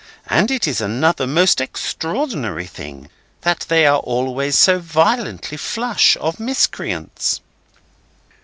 And it is another most extraordinary thing that they are always so violently flush of miscreants!"